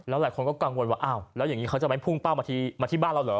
หลายคนก็กังวลว่าอ้าวแล้วอย่างนี้เขาจะไม่พุ่งเป้ามาที่บ้านเราเหรอ